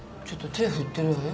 手振ってるわよ。